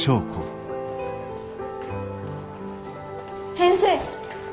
先生。